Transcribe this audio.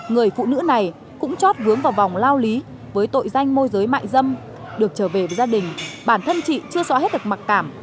người phụ nữ này cũng chót vướng vào vòng lao lý với tội danh môi giới mại dâm được trở về với gia đình bản thân chị chưa xóa hết được mặc cảm